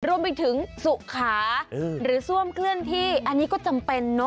รวมไปถึงสุขาหรือซ่วมเคลื่อนที่อันนี้ก็จำเป็นเนอะ